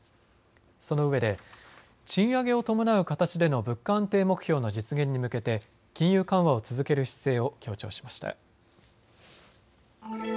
そのうえで賃上げを伴う形での物価安定目標の実現に向けて金融緩和を続ける姿勢を強調しました。